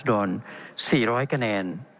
เป็นของสมาชิกสภาพภูมิแทนรัฐรนดร